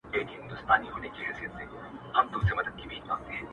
سږ کال مي ولیده لوېدلې وه له زوره ونه.!